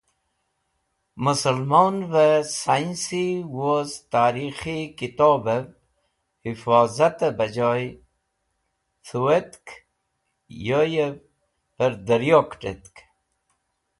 Mesẽlmonvẽ saynsi woz tarikhi kitobvẽ hifozatẽ bejay dhũwetk yoyẽv hẽr dẽryo kẽt̃etk.